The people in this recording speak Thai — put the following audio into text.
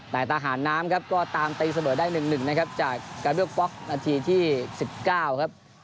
แต่ทหารน้ำก็ตามตีเสบอได้หนึ่งนะครับจากการเรียกปล็อกนาทีที่๑๙ครับ